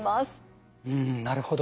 うんなるほど。